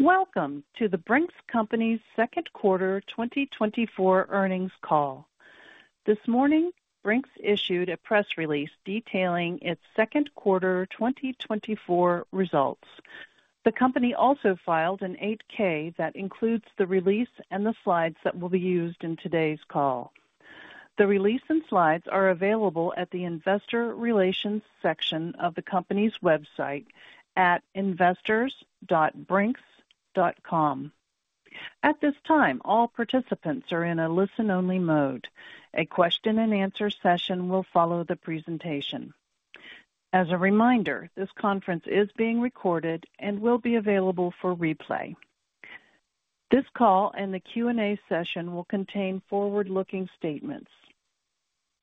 Welcome to The Brink's Company's Second Quarter 2024 Earnings Call. This morning, Brink's issued a press release detailing its second quarter 2024 results. The company also filed an 8-K that includes the release and the slides that will be used in today's call. The release and slides are available at the investor relations section of the company's website at investors.brinks.com. At this time, all participants are in a listen-only mode. A question and answer session will follow the presentation. As a reminder, this conference is being recorded and will be available for replay. This call and the Q&A session will contain forward-looking statements.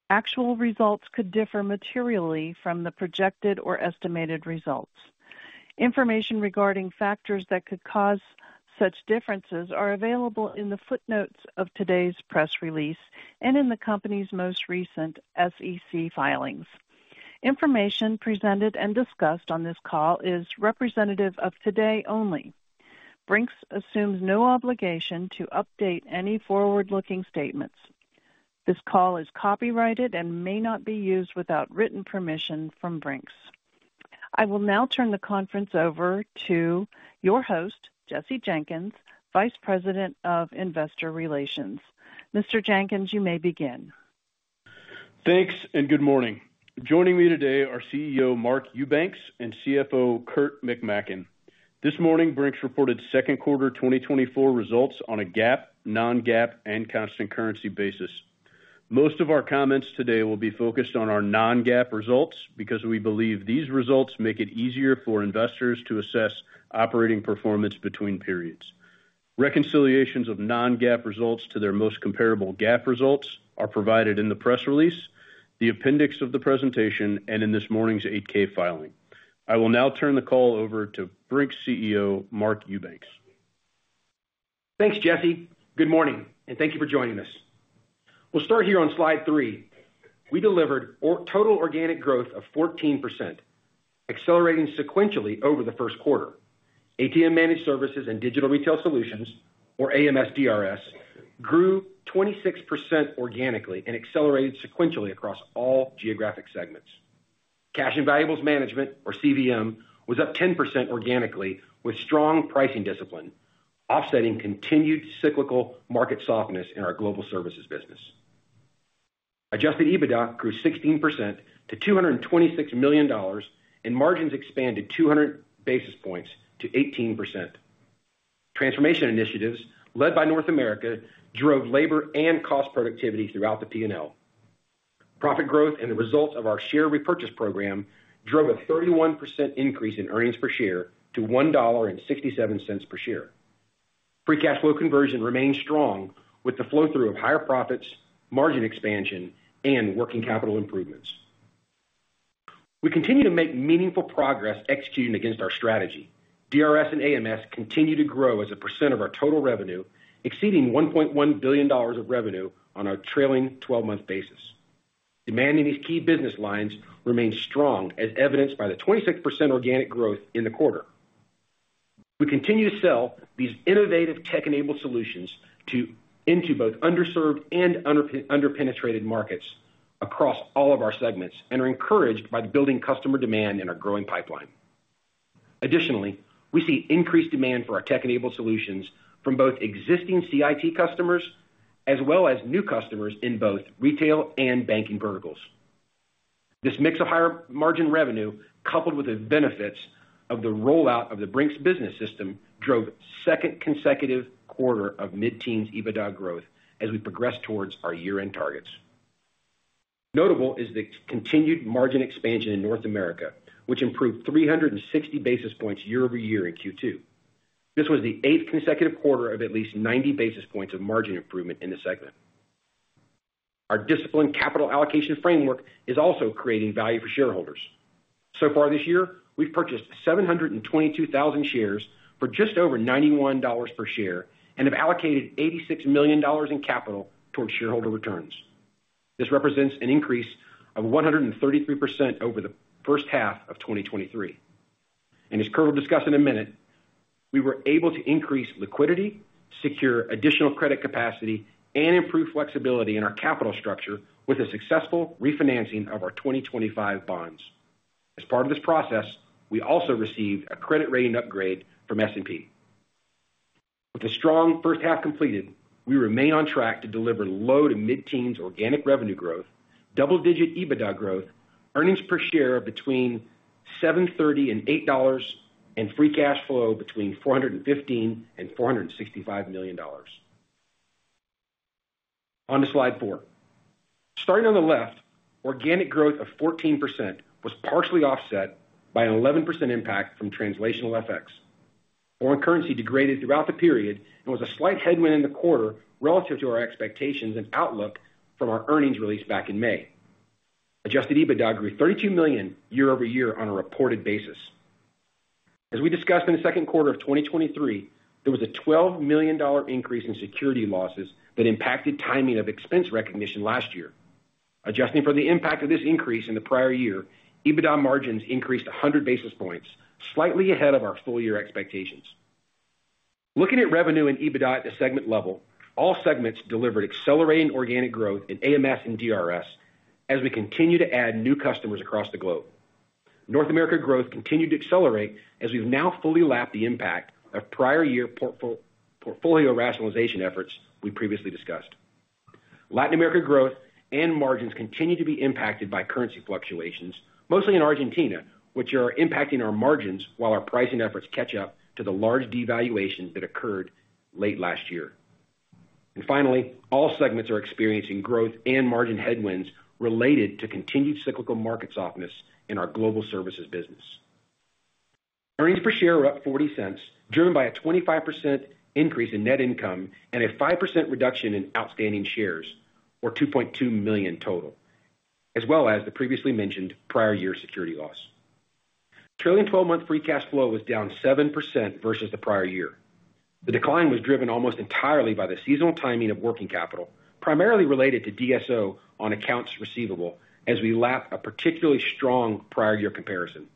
Actual results could differ materially from the projected or estimated results. Information regarding factors that could cause such differences are available in the footnotes of today's press release and in the company's most recent SEC filings. Information presented and discussed on this call is representative of today only. Brink's assumes no obligation to update any forward-looking statements. This call is copyrighted and may not be used without written permission from Brink's. I will now turn the conference over to your host, Jesse Jenkins, Vice President of Investor Relations. Mr. Jenkins, you may begin. Thanks, and good morning. Joining me today are CEO, Mark Eubanks, and CFO, Kurt McMaken. This morning, Brink's reported second quarter 2024 results on a GAAP, non-GAAP and constant currency basis. Most of our comments today will be focused on our non-GAAP results because we believe these results make it easier for investors to assess operating performance between periods. Reconciliations of non-GAAP results to their most comparable GAAP results are provided in the press release, the appendix of the presentation, and in this morning's 8-K filing. I will now turn the call over to Brink's CEO, Mark Eubanks. Thanks, Jesse. Good morning, and thank you for joining us. We'll start here on slide three. We delivered total organic growth of 14%, accelerating sequentially over the first quarter. ATM Managed Services and Digital Retail Solutions, or AMS DRS, grew 26% organically and accelerated sequentially across all geographic segments. Cash and valuables management, or CVM, was up 10% organically, with strong pricing discipline, offsetting continued cyclical market softness in our global services business. Adjusted EBITDA grew 16% to $226 million, and margins expanded 200 basis points to 18%. Transformation initiatives led by North America drove labor and cost productivity throughout the P&L. Profit growth and the results of our share repurchase program drove a 31% increase in earnings per share to $1.67 per share. Free cash flow conversion remains strong, with the flow-through of higher profits, margin expansion, and working capital improvements. We continue to make meaningful progress executing against our strategy. DRS and AMS continue to grow as a percent of our total revenue, exceeding $1.1 billion of revenue on a trailing twelve-month basis. Demand in these key business lines remains strong, as evidenced by the 26% organic growth in the quarter. We continue to sell these innovative tech-enabled solutions into both underserved and under-penetrated markets across all of our segments and are encouraged by the building customer demand in our growing pipeline. Additionally, we see increased demand for our tech-enabled solutions from both existing CIT customers as well as new customers in both retail and banking verticals. This mix of higher margin revenue, coupled with the benefits of the rollout of the Brink's Business System, drove second consecutive quarter of mid-teens EBITDA growth as we progress towards our year-end targets. Notable is the continued margin expansion in North America, which improved 360 basis points year-over-year in Q2. This was the eighth consecutive quarter of at least 90 basis points of margin improvement in the segment. Our disciplined capital allocation framework is also creating value for shareholders. So far this year, we've purchased 722,000 shares for just over $91 per share and have allocated $86 million in capital towards shareholder returns. This represents an increase of 133% over the first half of 2023. As Kurt will discuss in a minute, we were able to increase liquidity, secure additional credit capacity, and improve flexibility in our capital structure with a successful refinancing of our 2025 bonds. As part of this process, we also received a credit rating upgrade from S&P. With a strong first half completed, we remain on track to deliver low to mid-teens organic revenue growth, double-digit EBITDA growth, earnings per share of between $7.30 and $8, and free cash flow between $415 million and $465 million. On to slide 4. Starting on the left, organic growth of 14% was partially offset by an 11% impact from translational FX. Foreign currency degraded throughout the period and was a slight headwind in the quarter relative to our expectations and outlook from our earnings release back in May. Adjusted EBITDA grew $32 million year-over-year on a reported basis. As we discussed in the second quarter of 2023, there was a $12 million increase in security losses that impacted timing of expense recognition last year. Earnings per share were up $0.40, driven by a 25% increase in net income and a 5% reduction in outstanding shares of 2.2 million total, as well as the previously mentioned prior year security loss. Trailing 12-month free cash flow was down 7% versus the prior year. The decline was driven almost entirely by the seasonal timing of working capital, primarily related to DSO on accounts receivable as we lap a particularly strong prior year comparison.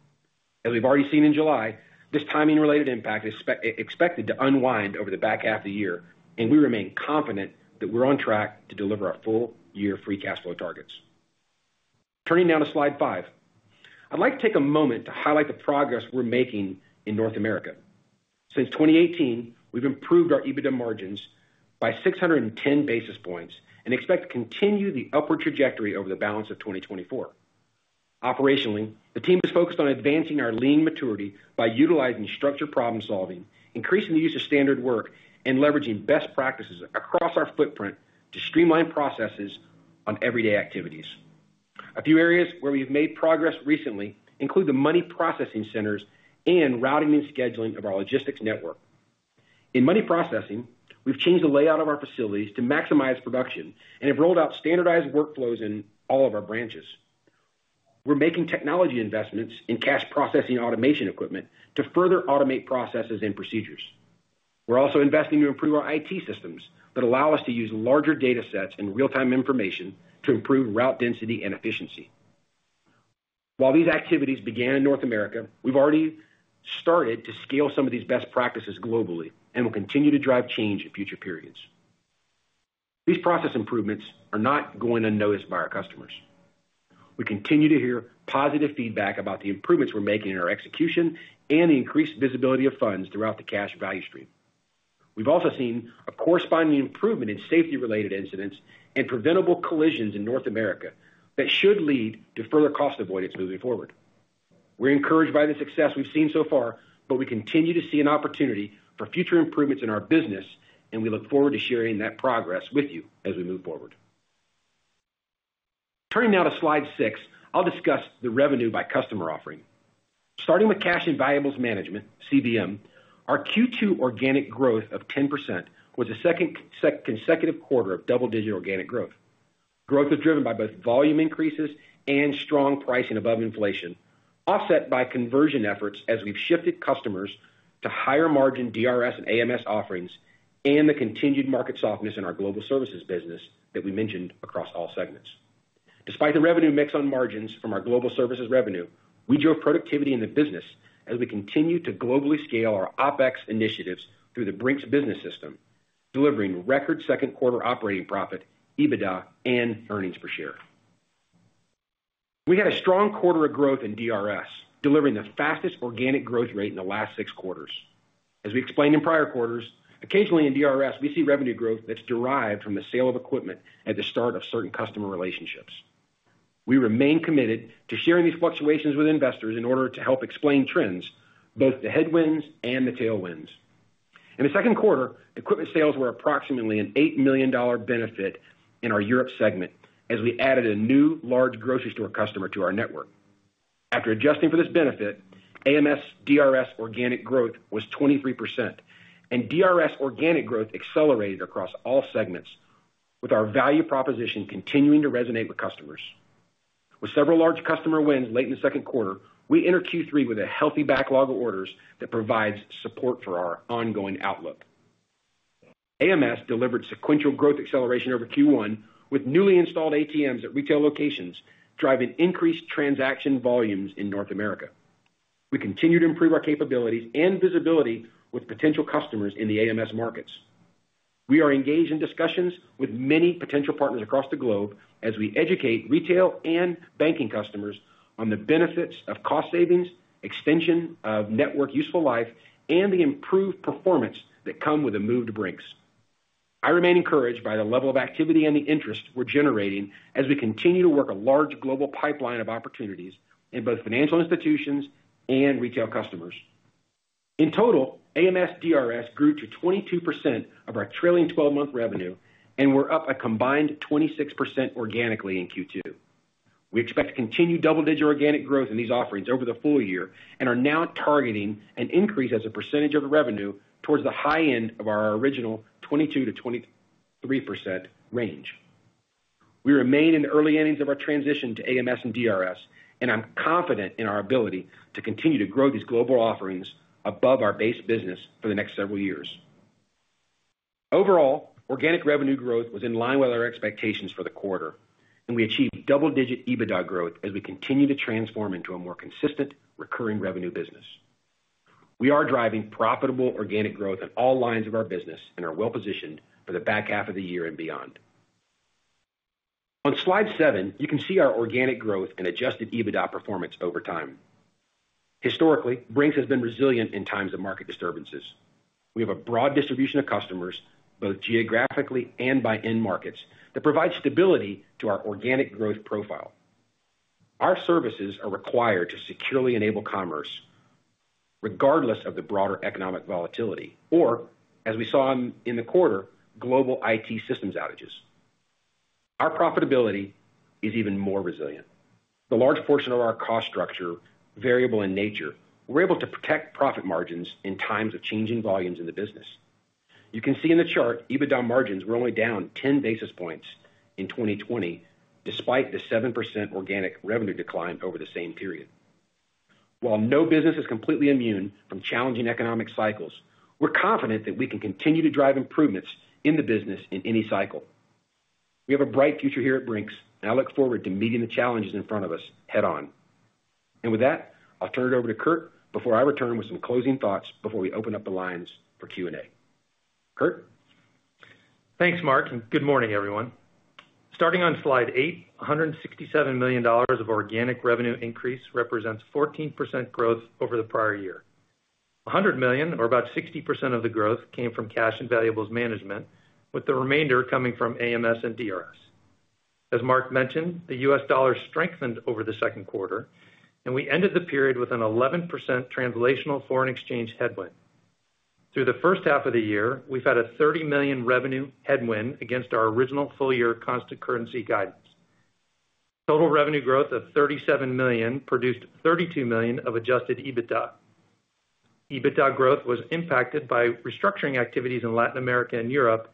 As we've already seen in July, this timing related impact is expected to unwind over the back half of the year, and we remain confident that we're on track to deliver our full year free cash flow targets. Turning now to slide 5. I'd like to take a moment to highlight the progress we're making in North America. Since 2018, we've improved our EBITDA margins by 610 basis points and expect to continue the upward trajectory over the balance of 2024. Operationally, the team is focused on advancing our Lean Maturity by utilizing structured problem solving, increasing the use of standard work, and leveraging best practices across our footprint to streamline processes on everyday activities. A few areas where we've made progress recently include the Money Processing Centers and routing and scheduling of our logistics network. In money processing, we've changed the layout of our facilities to maximize production and have rolled out standardized workflows in all of our branches. We're making technology investments in cash processing automation equipment to further automate processes and procedures. We're also investing to improve our IT systems that allow us to use larger data sets and real-time information to improve route density and efficiency. While these activities began in North America, we've already started to scale some of these best practices globally and will continue to drive change in future periods. These process improvements are not going unnoticed by our customers. We continue to hear positive feedback about the improvements we're making in our execution and the increased visibility of funds throughout the Cash Value Stream. We've also seen a corresponding improvement in safety-related incidents and preventable collisions in North America that should lead to further cost avoidance moving forward. We're encouraged by the success we've seen so far, but we continue to see an opportunity for future improvements in our business, and we look forward to sharing that progress with you as we move forward. Turning now to slide 6, I'll discuss the revenue by customer offering. Starting with cash and valuables management, CVM, our Q2 organic growth of 10% was the second consecutive quarter of double-digit organic growth. Growth was driven by both volume increases and strong pricing above inflation, offset by conversion efforts as we've shifted customers to higher margin DRS and AMS offerings and the continued market softness in our global services business that we mentioned across all segments. Despite the revenue mix on margins from our global services revenue, we drove productivity in the business as we continue to globally scale our OpEx initiatives through the Brink's Business System, delivering record second quarter operating profit, EBITDA, and earnings per share. We had a strong quarter of growth in DRS, delivering the fastest organic growth rate in the last six quarters. As we explained in prior quarters, occasionally in DRS, we see revenue growth that's derived from the sale of equipment at the start of certain customer relationships. We remain committed to sharing these fluctuations with investors in order to help explain trends, both the headwinds and the tailwinds. In the second quarter, equipment sales were approximately an $8 million benefit in our Europe segment as we added a new large grocery store customer to our network. After adjusting for this benefit, AMS DRS organic growth was 23%, and DRS organic growth accelerated across all segments with our value proposition continuing to resonate with customers. With several large customer wins late in the second quarter, we entered Q3 with a healthy backlog of orders that provides support for our ongoing outlook. AMS delivered sequential growth acceleration over Q1 with newly installed ATMs at retail locations, driving increased transaction volumes in North America. We continue to improve our capabilities and visibility with potential customers in the AMS markets. We are engaged in discussions with many potential partners across the globe as we educate retail and banking customers on the benefits of cost savings, extension of network useful life, and the improved performance that come with a move to Brink's. We are encouraged by the level of activity and the interest we're generating as we continue to work a large global pipeline of opportunities in both financial institutions and retail customers. In total AMS DRS grew to 22% of our trailing 12-month revenue and were up a combined 26% organically in Q2, which kept continued double-digit organic growth of these offerings over the full year, and are now targeting an increase as % of revenue towards the high end of our original 22 to 23% range. We remain in early innings of our transition to AMS DRS, and are confident in our ability to continue to grow these global offerings above our base business over the next several years. Overall, organic revenue growth was in line with our expectations for the quarter, and we achieved double-digit EBITDA growth as we continue to transform into a more consistent, recurring revenue business. We are driving profitable organic growth on all lines of our business and are well-positioned for the back half of the year and beyond. On slide 7, you can see our organic growth and adjusted EBITDA performance over time. Historically, Brink's has been resilient in times of market disturbances. We have a broad distribution of customers, both geographically and by end markets, that provide stability to our organic growth profile. Our services are required to securely enable commerce, regardless of the broader economic volatility, or, as we saw in the quarter, global IT systems outages. Our profitability is even more resilient. The large portion of our cost structure, variable in nature, we're able to protect profit margins in times of changing volumes in the business. You can see in the chart, EBITDA margins were only down 10 basis points in 2020, despite the 7% organic revenue decline over the same period. While no business is completely immune from challenging economic cycles, we're confident that we can continue to drive improvements in the business in any cycle. We have a bright future here at Brink's, and I look forward to meeting the challenges in front of us head-on. With that, I'll turn it over to Kurt before I return with some closing thoughts before we open up the lines for Q&A. Kurt? Thanks, Mark, and good morning, everyone. Starting on slide 8, $167 million of organic revenue increase represents 14% growth over the prior year. $100 million, or about 60% of the growth, came from cash and valuables management, with the remainder coming from AMS and DRS. As Mark mentioned, the US dollar strengthened over the second quarter, and we ended the period with an 11% translational foreign exchange headwind. Through the first half of the year, we've had a $30 million revenue headwind against our original full-year constant currency guidance. Total revenue growth of $37 million produced $32 million of adjusted EBITDA. EBITDA growth was impacted by restructuring activities in Latin America and Europe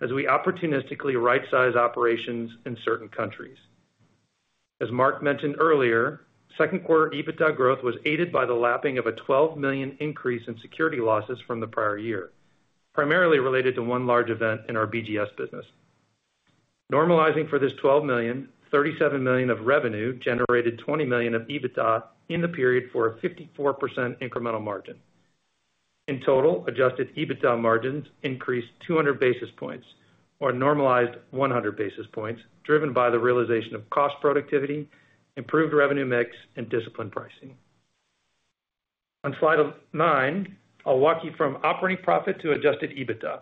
as we opportunistically right-size operations in certain countries. As Mark mentioned earlier, second quarter EBITDA growth was aided by the lapping of a $12 million increase in security losses from the prior year, primarily related to one large event in our BGS business. Normalizing for this $12 million, $37 million of revenue generated $20 million of EBITDA in the period for a 54% incremental margin. In total, adjusted EBITDA margins increased 200 basis points or normalized 100 basis points, driven by the realization of cost productivity, improved revenue mix, and disciplined pricing. On slide 9, I'll walk you from operating profit to adjusted EBITDA.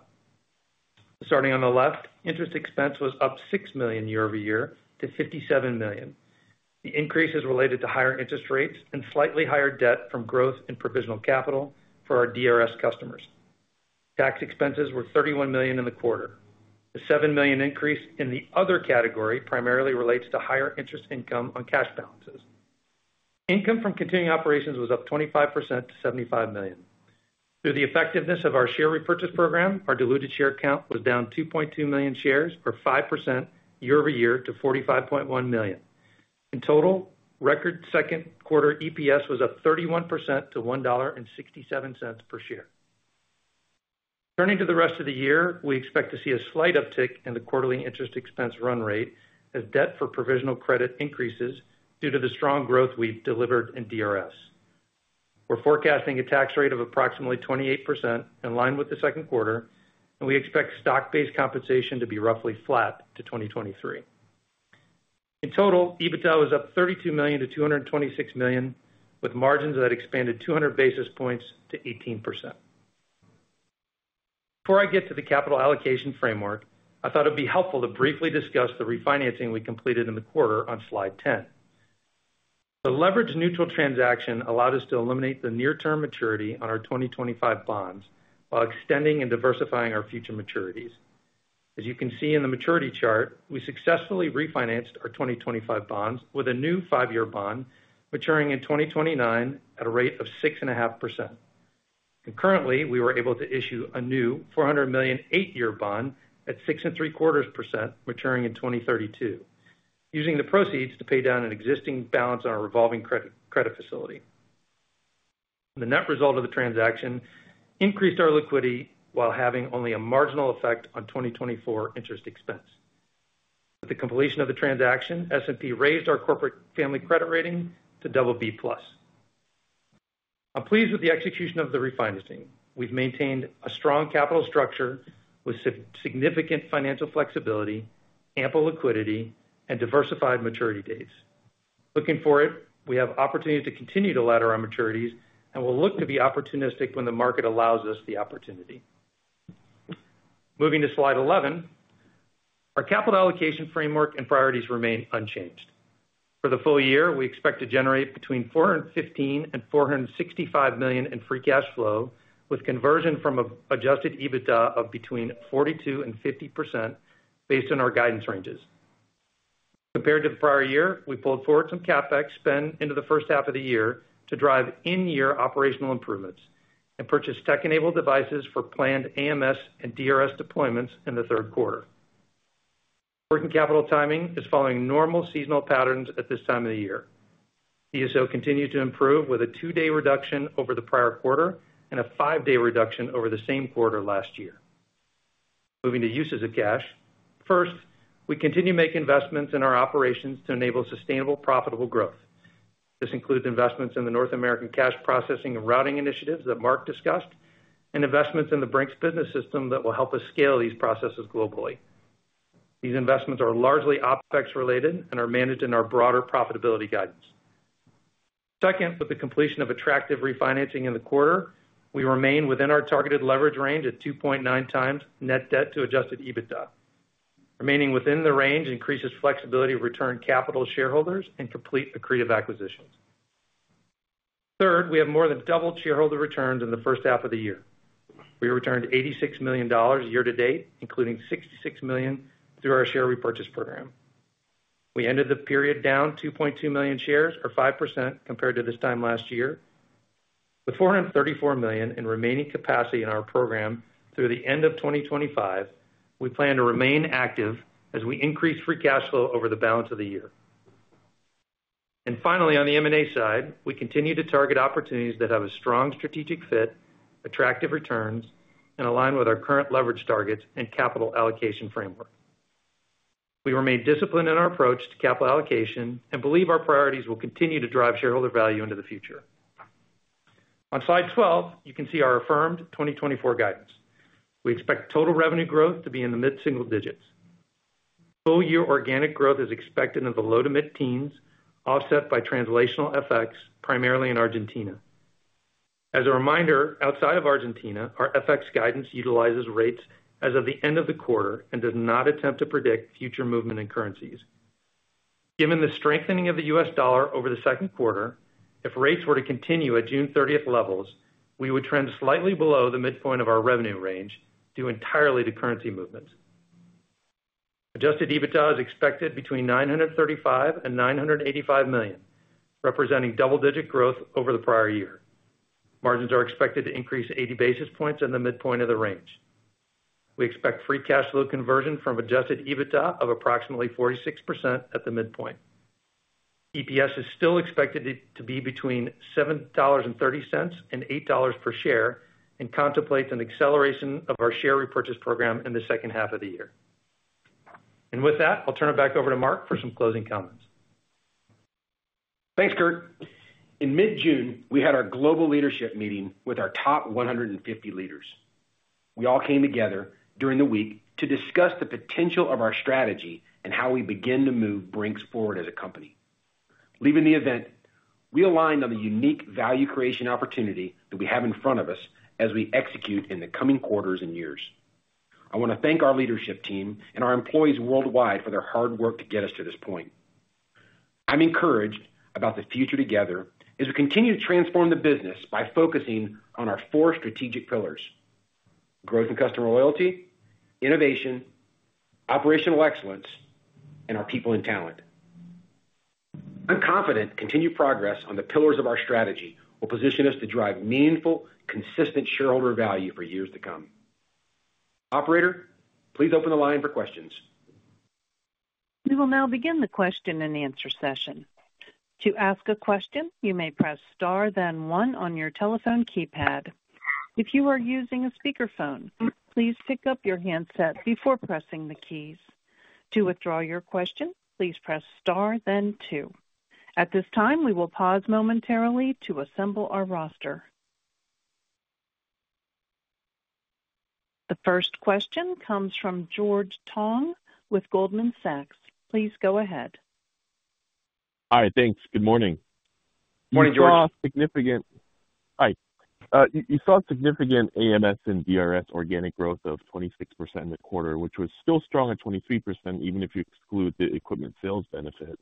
Starting on the left, interest expense was up $6 million year-over-year to $57 million. The increase is related to higher interest rates and slightly higher debt from growth in provisional capital for our DRS customers. Tax expenses were $31 million in the quarter. The $7 million increase in the other category primarily relates to higher interest income on cash balances. Income from continuing operations was up 25% to $75 million. Through the effectiveness of our share repurchase program, our diluted share count was down 2.2 million shares, or 5% year-over-year to 45.1 million. In total, record second quarter EPS was up 31% to $1.67 per share. Turning to the rest of the year, we expect to see a slight uptick in the quarterly interest expense run rate as debt for provisional credit increases due to the strong growth we've delivered in DRS. We're forecasting a tax rate of approximately 28%, in line with the second quarter, and we expect stock-based compensation to be roughly flat to 2023. In total, EBITDA was up $32 million to $226 million, with margins that expanded 200 basis points to 18%. Before I get to the capital allocation framework, I thought it'd be helpful to briefly discuss the refinancing we completed in the quarter on slide 10. The leverage neutral transaction allowed us to eliminate the near-term maturity on our 2025 bonds while extending and diversifying our future maturities. As you can see in the maturity chart, we successfully refinanced our 2025 bonds with a new 5-year bond, maturing in 2029 at a rate of 6.5%. Concurrently, we were able to issue a new $400 million 8-year bond at 6.75%, maturing in 2032, using the proceeds to pay down an existing balance on our revolving credit, credit facility. The net result of the transaction increased our liquidity while having only a marginal effect on 2024 interest expense. With the completion of the transaction, S&P raised our corporate family credit rating to BB+. I'm pleased with the execution of the refinancing. We've maintained a strong capital structure with significant financial flexibility, ample liquidity, and diversified maturity dates. Looking forward, we have opportunities to continue to ladder our maturities, and we'll look to be opportunistic when the market allows us the opportunity. Moving to slide 11, our capital allocation framework and priorities remain unchanged. For the full year, we expect to generate between $415 million and $465 million in free cash flow, with conversion from Adjusted EBITDA of 42%-50% based on our guidance ranges. Compared to the prior year, we pulled forward some CapEx spend into the first half of the year to drive in-year operational improvements and purchase tech-enabled devices for planned AMS and DRS deployments in the third quarter. Working capital timing is following normal seasonal patterns at this time of the year. DSO continued to improve with a two-day reduction over the prior quarter and a five-day reduction over the same quarter last year. Moving to uses of cash. First, we continue to make investments in our operations to enable sustainable, profitable growth. This includes investments in the North American cash processing and routing initiatives that Mark discussed, and investments in the Brink's Business System that will help us scale these processes globally. These investments are largely OpEx related and are managed in our broader profitability guidance. Second, with the completion of attractive refinancing in the quarter, we remain within our targeted leverage range at 2.9x net debt to adjusted EBITDA. Remaining within the range increases flexibility of return capital to shareholders and complete accretive acquisitions. Third, we have more than doubled shareholder returns in the first half of the year. We returned $86 million year to date, including $66 million through our share repurchase program. We ended the period down 2.2 million shares or 5% compared to this time last year. With $434 million in remaining capacity in our program through the end of 2025, we plan to remain active as we increase free cash flow over the balance of the year. Finally, on the M&A side, we continue to target opportunities that have a strong strategic fit, attractive returns, and align with our current leverage targets and capital allocation framework. We remain disciplined in our approach to capital allocation and believe our priorities will continue to drive shareholder value into the future. On slide 12, you can see our affirmed 2024 guidance. We expect total revenue growth to be in the mid-single digits. Full year organic growth is expected in the low to mid-teens, offset by translational FX, primarily in Argentina. As a reminder, outside of Argentina, our FX guidance utilizes rates as of the end of the quarter and does not attempt to predict future movement in currencies. Given the strengthening of the U.S. dollar over the second quarter, if rates were to continue at June 30th levels, we would trend slightly below the midpoint of our revenue range, due entirely to currency movements. Adjusted EBITDA is expected between $935 million and $985 million, representing double-digit growth over the prior year. Margins are expected to increase 80 basis points in the midpoint of the range. We expect free cash flow conversion from adjusted EBITDA of approximately 46% at the midpoint. EPS is still expected to be between $7.30 and $8 per share, and contemplates an acceleration of our share repurchase program in the second half of the year. And with that, I'll turn it back over to Mark for some closing comments. Thanks, Kurt. In mid-June, we had our global leadership meeting with our top 150 leaders. We all came together during the week to discuss the potential of our strategy and how we begin to move Brink's forward as a company. Leaving the event, we aligned on the unique value creation opportunity that we have in front of us as we execute in the coming quarters and years. I want to thank our leadership team and our employees worldwide for their hard work to get us to this point. I'm encouraged about the future together as we continue to transform the business by focusing on our four strategic pillars: growth and customer loyalty, innovation, operational excellence, and our people and talent. I'm confident continued progress on the pillars of our strategy will position us to drive meaningful, consistent shareholder value for years to come. Operator, please open the line for questions. We will now begin the question-and-answer session. To ask a question, you may press star, then one on your telephone keypad. If you are using a speakerphone, please pick up your handset before pressing the keys. To withdraw your question, please press star then two. At this time, we will pause momentarily to assemble our roster. The first question comes from George Tong with Goldman Sachs. Please go ahead. Hi, thanks. Good morning. Morning, George. You saw significant AMS and DRS organic growth of 26% in the quarter, which was still strong at 23%, even if you exclude the equipment sales benefit.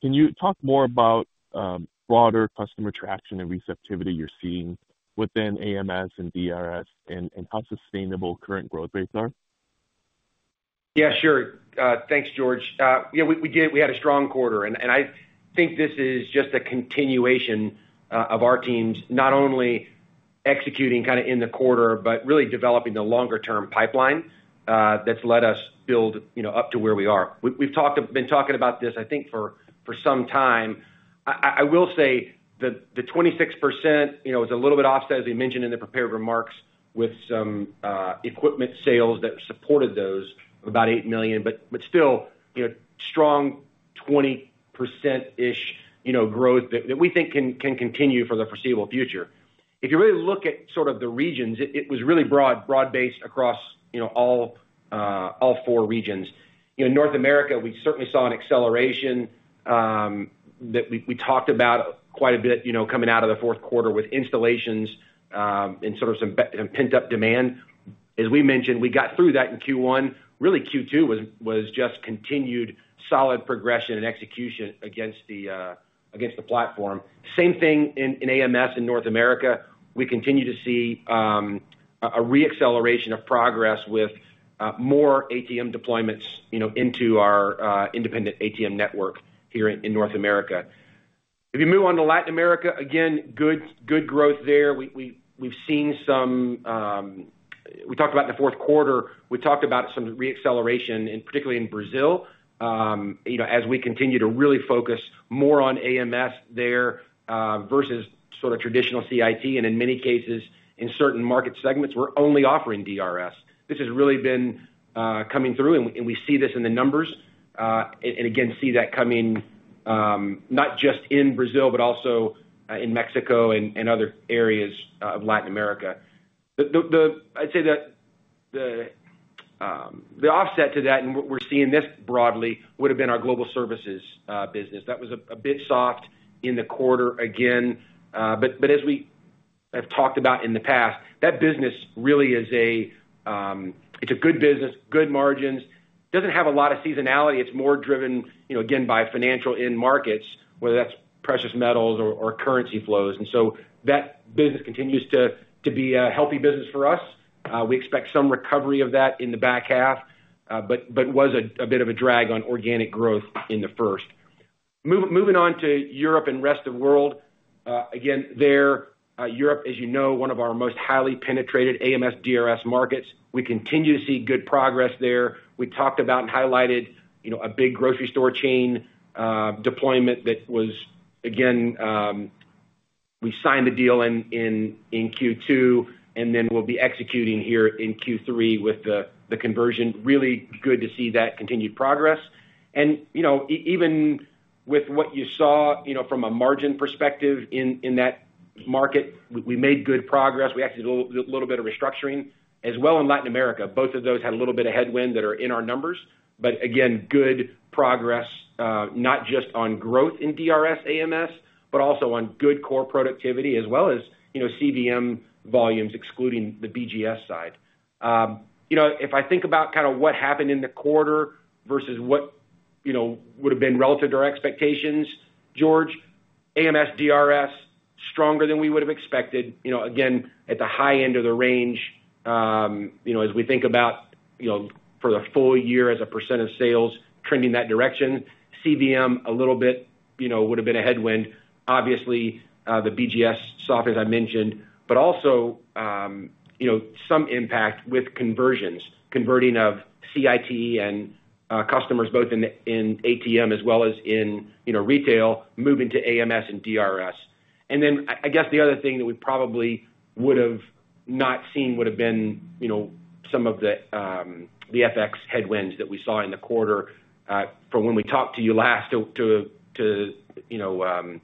Can you talk more about broader customer traction and receptivity you're seeing within AMS and DRS and how sustainable current growth rates are? Yeah, sure. Thanks, George. Yeah, we had a strong quarter, and I think this is just a continuation of our teams, not only executing kinda in the quarter, but really developing the longer-term pipeline that's let us build, you know, up to where we are. We've been talking about this, I think, for some time. I will say the 26%, you know, is a little bit offset, as we mentioned in the prepared remarks, with some equipment sales that supported those, about $8 million, but still, you know, strong 20%ish growth that we think can continue for the foreseeable future. If you really look at sort of the regions, it was really broad-based across, you know, all four regions. You know, North America, we certainly saw an acceleration that we talked about quite a bit, you know, coming out of the fourth quarter with installations and sort of some pent-up demand. As we mentioned, we got through that in Q1. Really, Q2 was just continued solid progression and execution against the platform. Same thing in AMS in North America. We continue to see a re-acceleration of progress with more ATM deployments, you know, into our independent ATM network here in North America. If you move on to Latin America, again, good growth there. We've seen some. We talked about in the fourth quarter, we talked about some re-acceleration, particularly in Brazil, you know, as we continue to really focus more on AMS there, versus sort of traditional CIT, and in many cases, in certain market segments, we're only offering DRS. This has really been coming through, and we see this in the numbers. And again, see that coming, not just in Brazil, but also in Mexico and other areas of Latin America. I'd say the offset to that, and we're seeing this broadly, would have been our global services business. That was a bit soft in the quarter again, but as we have talked about in the past, that business really is a, it's a good business, good margins. Doesn't have a lot of seasonality, it's more driven, you know, again, by financial end markets, whether that's precious metals or currency flows. And so that business continues to be a healthy business for us. We expect some recovery of that in the back half, but was a bit of a drag on organic growth in the first. Moving on to Europe and rest of world. Again, Europe, as you know, one of our most highly penetrated AMS, DRS markets. We continue to see good progress there. We talked about and highlighted, you know, a big grocery store chain deployment that was again, we signed a deal in Q2, and then we'll be executing here in Q3 with the conversion. Really good to see that continued progress. And, you know, even with what you saw, you know, from a margin perspective in that market, we made good progress. We actually did a little bit of restructuring, as well in Latin America. Both of those had a little bit of headwind that are in our numbers. But again, good progress, not just on growth in DRS, AMS, but also on good core productivity, as well as, you know, CVM volumes, excluding the BGS side. You know, if I think about kinda what happened in the quarter versus what, you know, would have been relative to our expectations, George, AMS, DRS stronger than we would have expected. You know, again, at the high end of the range, you know, as we think about, you know, for the full year, as a percent of sales trending that direction, CVM a little bit, you know, would have been a headwind, obviously, the BGS soft, as I mentioned. But also, you know, some impact with conversions, converting of CIT and customers both in the ATM as well as in, you know, retail, moving to AMS and DRS. And then I guess the other thing that we probably would have not seen would have been, you know, some of the FX headwinds that we saw in the quarter, from when we talked to you last to you know,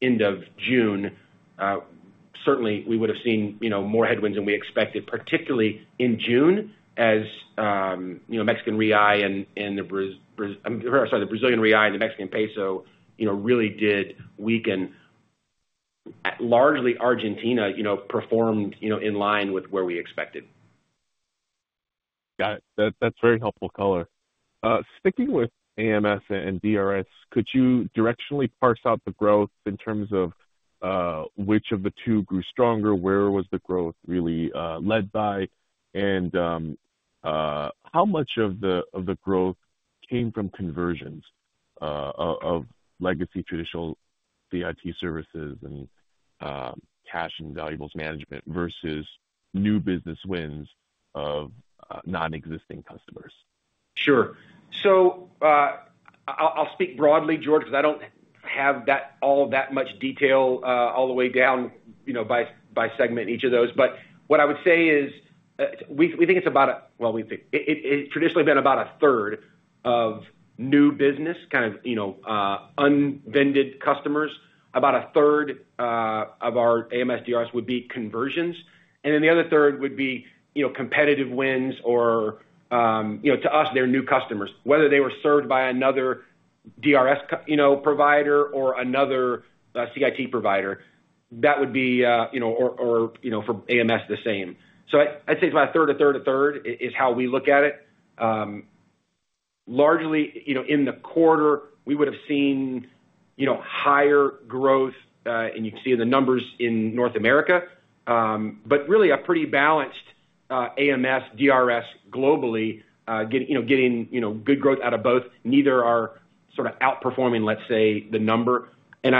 end of June. Certainly, we would have seen, you know, more headwinds than we expected, particularly in June, as you know, Mexican real and the Brazilian real and the Mexican peso, you know, really did weaken. Largely Argentina, you know, performed, you know, in line with where we expected. Got it. That, that's very helpful color. Sticking with AMS and DRS, could you directionally parse out the growth in terms of, which of the two grew stronger? Where was the growth really, led by? And, how much of the, of the growth came from conversions, of, of legacy traditional CIT services and, cash and valuables management versus new business wins of, non-existing customers? Sure. So, I'll speak broadly, George, because I don't have that... all that much detail, all the way down, you know, by segment, each of those. But what I would say is, we think it's about—well, we think it traditionally been about a third of new business, kind of, you know, unvended customers. About a third of our AMS, DRS would be conversions, and then the other third would be, you know, competitive wins or, you know, to us, they're new customers. Whether they were served by another DRS provider or another CIT provider, that would be, you know, or for AMS, the same. So I'd say it's about a third, a third, a third, is how we look at it. Largely, you know, in the quarter, we would have seen, you know, higher growth, and you can see the numbers in North America, but really a pretty balanced, AMS, DRS globally, getting good growth out of both. Neither are sort of outperforming, let's say, the number. And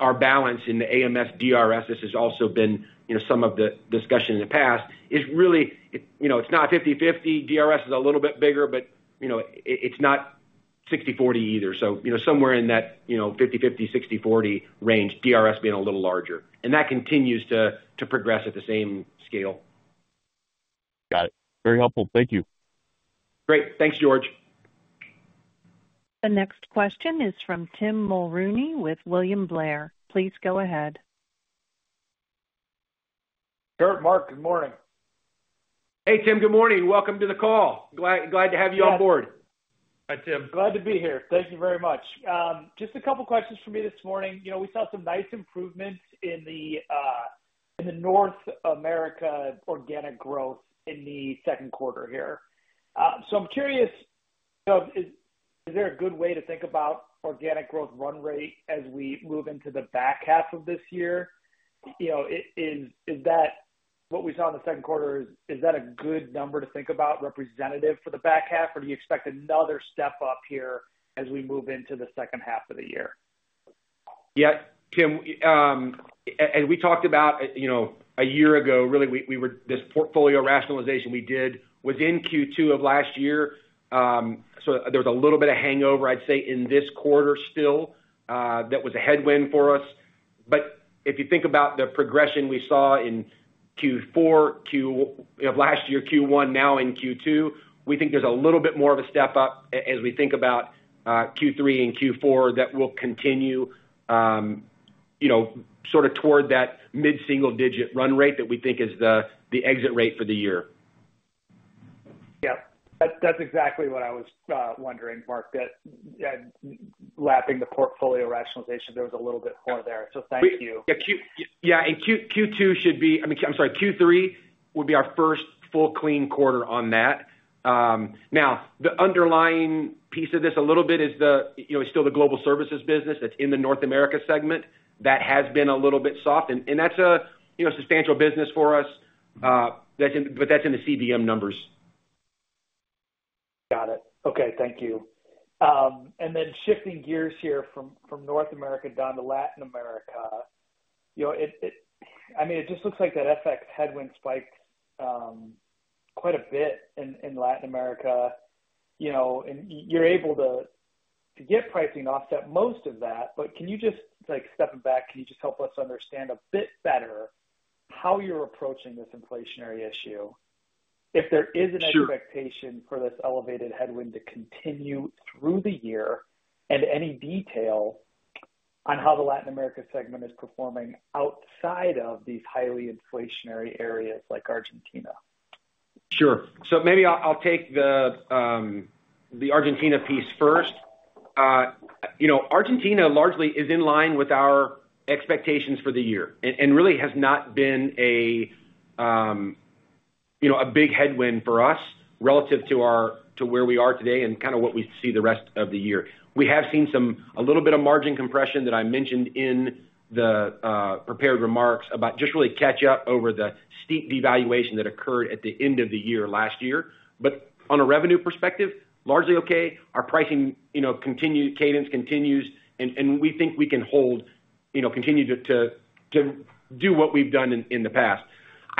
our balance in the AMS, DRS, this has also been, you know, some of the discussion in the past, is really, it, you know, it's not 50/50. DRS is a little bit bigger, but, you know, it's not 60/40 either. So, you know, somewhere in that, you know, 50/50, 60/40 range, DRS being a little larger. And that continues to progress at the same scale. Got it. Very helpful. Thank you. Great. Thanks, George. The next question is from Tim Mulrooney with William Blair. Please go ahead. Kurt, Mark, good morning. Hey, Tim, good morning. Welcome to the call. Glad, glad to have you on board. Hi, Tim. Glad to be here. Thank you very much. Just a couple questions for me this morning. You know, we saw some nice improvements in the North America organic growth in the second quarter here. So I'm curious, you know, is there a good way to think about organic growth run rate as we move into the back half of this year? You know, is that what we saw in the second quarter, is that a good number to think about representative for the back half? Or do you expect another step up here as we move into the second half of the year? Yeah, Tim, as we talked about, you know, a year ago, really, we were this portfolio rationalization we did was in Q2 of last year. So there was a little bit of hangover, I'd say, in this quarter still, that was a headwind for us. But if you think about the progression we saw in Q4 of last year, Q1, now in Q2, we think there's a little bit more of a step up as we think about, Q3 and Q4, that will continue, you know, sort of toward that mid-single digit run rate that we think is the, the exit rate for the year. Yep. That's, that's exactly what I was wondering, Mark, that lapping the portfolio rationalization, there was a little bit more there. So thank you. Yeah, and Q2 should be—I mean, I'm sorry, Q3 will be our first full clean quarter on that. Now, the underlying piece of this a little bit is the, you know, still the global services business that's in the North America segment. That has been a little bit soft, and that's a, you know, substantial business for us, but that's in the CDM numbers. Got it. Okay, thank you. And then shifting gears here from North America down to Latin America, you know, I mean, it just looks like that FX headwind spiked quite a bit in Latin America, you know, and you're able to get pricing offset most of that. But can you just, like, stepping back, can you just help us understand a bit better how you're approaching this inflationary issue? If there is an- Sure... expectation for this elevated headwind to continue through the year, and any detail on how the Latin America segment is performing outside of these highly inflationary areas like Argentina? Sure. So maybe I'll take the Argentina piece first. You know, Argentina largely is in line with our expectations for the year, and really has not been a big headwind for us relative to where we are today and kind of what we see the rest of the year. We have seen a little bit of margin compression that I mentioned in the prepared remarks about just really catch up over the steep devaluation that occurred at the end of the year, last year. But on a revenue perspective, largely okay. Our pricing, you know, continuing cadence continues, and we think we can hold, you know, continue to do what we've done in the past.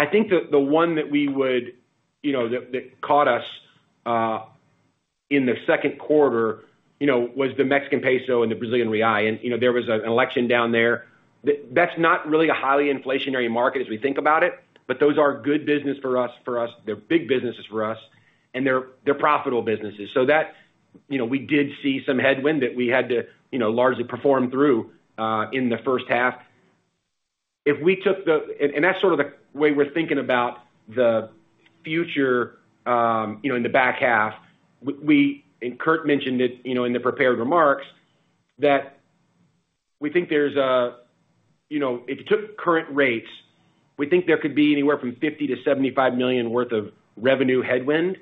I think the one that we would, you know, that caught us in the second quarter, you know, was the Mexican peso and the Brazilian real. You know, there was an election down there. That's not really a highly inflationary market as we think about it, but those are good business for us, for us. They're big businesses for us, and they're profitable businesses. So that, you know, we did see some headwind that we had to, you know, largely perform through in the first half. If we took the... And that's sort of the way we're thinking about the future, you know, in the back half. We, and Kurt mentioned it, you know, in the prepared remarks, that we think there's a, you know, if you took current rates, we think there could be anywhere from $50 million-$75 million worth of revenue headwind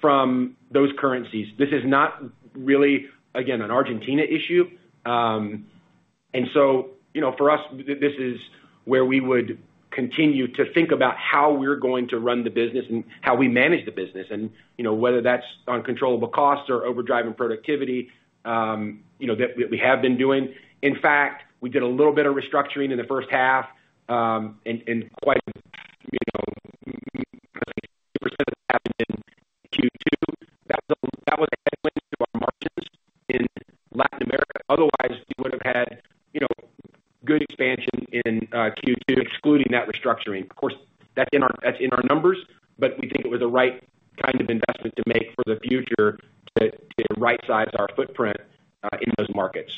from those currencies. This is not really, again, an Argentina issue. And so, you know, for us, this is where we would continue to think about how we're going to run the business and how we manage the business, and, you know, whether that's on controllable costs or overdriving productivity, you know, that we have been doing. In fact, we did a little bit of restructuring in the first half, and quite, you know, in Q2, that was a headwind to our margins in Latin America. Otherwise, we would have had, you know, good expansion in Q2, excluding that restructuring. Of course, that's in our numbers, but we think it was the right kind of investment to make for the future to rightsize our footprint in those markets.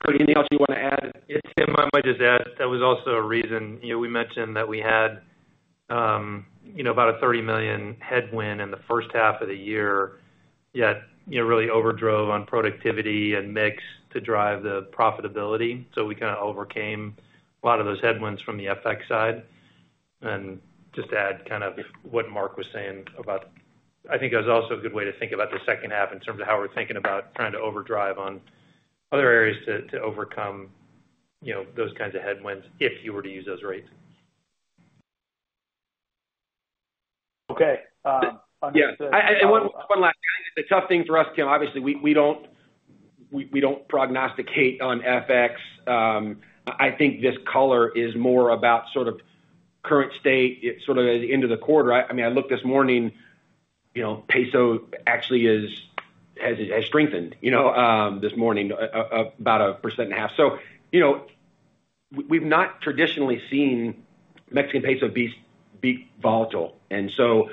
Kurt, anything else you want to add? Yeah, Tim, I might just add, that was also a reason, you know, we mentioned that we had, you know, about a $30 million headwind in the first half of the year, yet, you know, really overdrove on productivity and mix to drive the profitability. So we kinda overcame a lot of those headwinds from the FX side. And just to add kind of what Mark was saying about... I think it was also a good way to think about the second half in terms of how we're thinking about trying to overdrive on other areas to, to overcome, you know, those kinds of headwinds, if you were to use those rates. Okay, um- Yeah, and one last thing. The tough thing for us, Tim, obviously, we don't prognosticate on FX. I think this color is more about sort of current state, it's sort of the end of the quarter. I mean, I looked this morning, you know, peso actually has strengthened, you know, this morning, about 1.5%. So, you know, we've not traditionally seen Mexican peso be volatile. And so,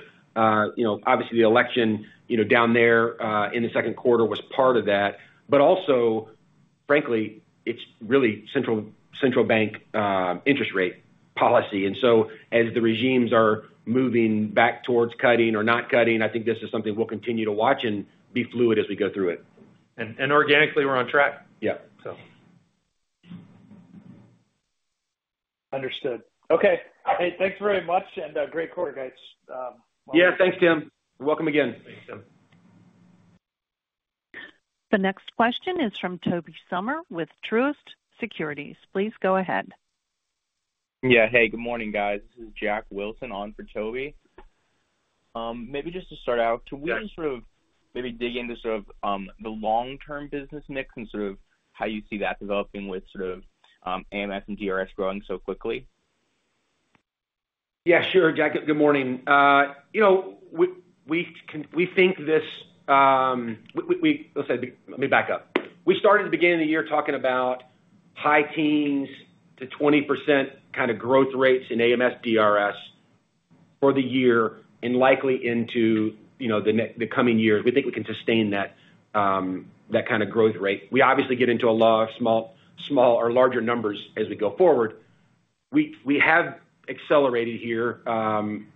you know, obviously, the election, you know, down there, in the second quarter was part of that. But also, frankly, it's really central bank interest rate policy. And so as the regimes are moving back towards cutting or not cutting, I think this is something we'll continue to watch and be fluid as we go through it. Organically, we're on track. Yeah. So. Understood. Okay. Hey, thanks very much, and great quarter, guys, Yeah, thanks, Tim. Welcome again. Thanks, Tim. The next question is from Toby Sommer with Truist Securities. Please go ahead. Yeah. Hey, good morning, guys. This is Jack Wilson on for Toby. Maybe just to start out, can we sort of maybe dig into sort of the long-term business mix and sort of how you see that developing with sort of AMS and DRS growing so quickly? Yeah, sure, Jack. Good morning. You know, we, we can. We think this, let's say, let me back up. We started at the beginning of the year talking about high teens to 20% kind of growth rates in AMS, DRS for the year and likely into, you know, the coming years. We think we can sustain that, that kind of growth rate. We obviously get into a lot of small, small or larger numbers as we go forward. We, we have accelerated here.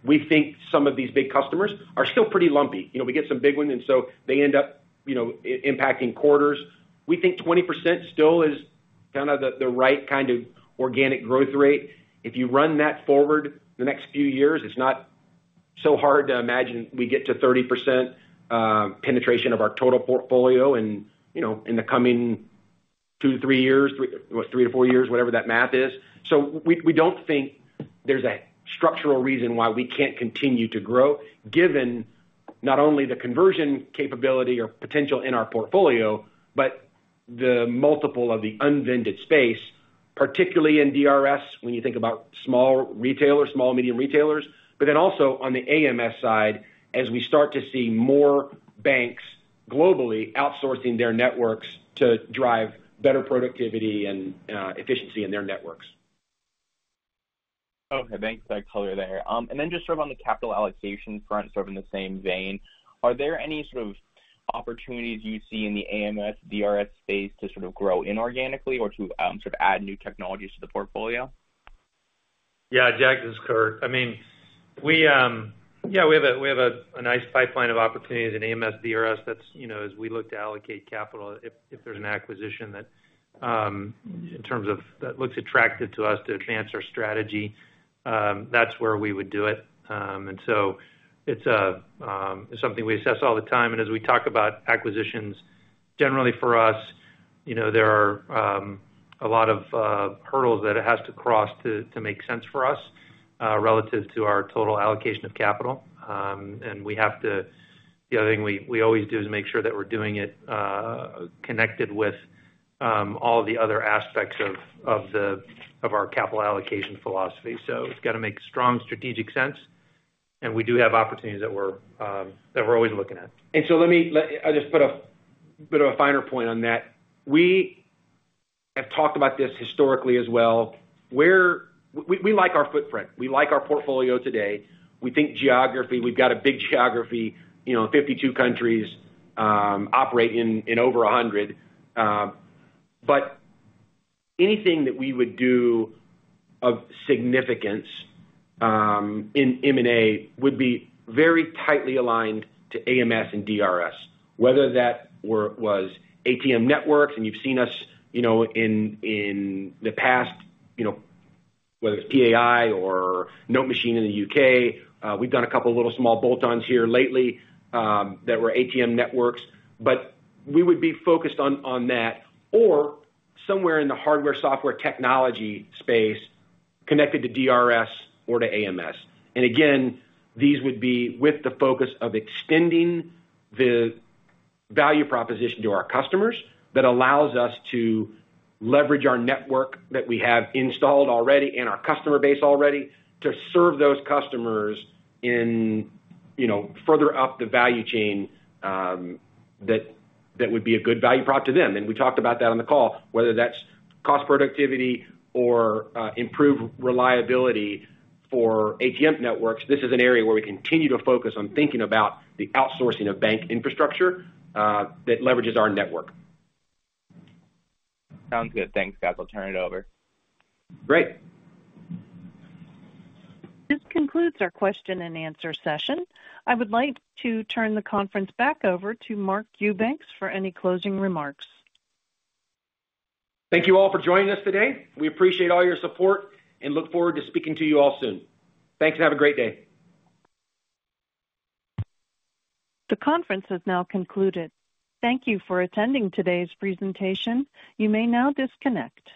We think some of these big customers are still pretty lumpy. You know, we get some big ones, and so they end up, you know, impacting quarters. We think 20% still is kind of the, the right kind of organic growth rate. If you run that forward the next few years, it's not so hard to imagine we get to 30% penetration of our total portfolio and, you know, in the coming 2-3 years, 3-4 years, whatever that math is. So we, we don't think there's a structural reason why we can't continue to grow, given not only the conversion capability or potential in our portfolio, but the multiple of the unvended space, particularly in DRS, when you think about small retailers, small-medium retailers, but then also on the AMS side, as we start to see more banks globally outsourcing their networks to drive better productivity and efficiency in their networks. Okay, thanks for that color there. And then just sort of on the capital allocation front, sort of in the same vein, are there any sort of opportunities you see in the AMS, DRS space to sort of grow inorganically or to, sort of add new technologies to the portfolio? Yeah, Jack, this is Kurt. I mean, we, yeah, we have a nice pipeline of opportunities in AMS, DRS. That's, you know, as we look to allocate capital, if there's an acquisition that in terms of... that looks attractive to us to advance our strategy, that's where we would do it. And so it's something we assess all the time. And as we talk about acquisitions, generally for us, you know, there are a lot of hurdles that it has to cross to make sense for us relative to our total allocation of capital. And we have to—the other thing we always do is make sure that we're doing it connected with all the other aspects of our capital allocation philosophy. So it's got to make strong strategic sense, and we do have opportunities that we're always looking at. And so let me, I'll just put a bit of a finer point on that. We have talked about this historically as well. We like our footprint. We like our portfolio today. We think geography, we've got a big geography, you know, 52 countries, operate in over 100. But anything that we would do of significance in M&A would be very tightly aligned to AMS and DRS, whether that were ATM networks, and you've seen us, you know, in the past, you know, whether it's PAI or NoteMachine in the U.K., we've done a couple of little small bolt-ons here lately that were ATM networks, but we would be focused on that or somewhere in the hardware, software, technology space connected to DRS or to AMS. And again, these would be with the focus of extending the value proposition to our customers, that allows us to leverage our network that we have installed already and our customer base already, to serve those customers in, you know, further up the value chain, that, that would be a good value prop to them. And we talked about that on the call, whether that's cost productivity or improved reliability for ATM networks. This is an area where we continue to focus on thinking about the outsourcing of bank infrastructure, that leverages our network. Sounds good. Thanks, guys. I'll turn it over. Great! This concludes our question and answer session. I would like to turn the conference back over to Mark Eubanks for any closing remarks. Thank you all for joining us today. We appreciate all your support and look forward to speaking to you all soon. Thanks, and have a great day. The conference has now concluded. Thank you for attending today's presentation. You may now disconnect.